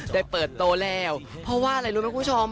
ได้เปิดโตแล้วเพราะว่าอะไรรู้ไหมคุณผู้ชม